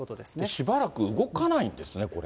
しばらく動かないんですね、これ。